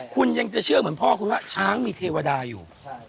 คุณยังจะเชื่อเหมือนพ่อคุณว่าช้างมีเทวดาอยู่